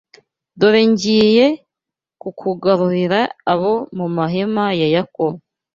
Dore ngiye kukugarurira abo mu mahema ya Yakobo